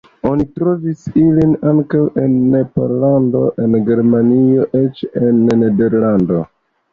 Oni trovis ilin ankaŭ en Pollando, en Germanio, eĉ en Nederlando.